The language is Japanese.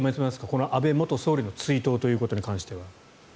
この安倍元総理の追悼ということに関しては。